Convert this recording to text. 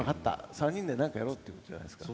３人で何かやろうっていうことじゃないですか？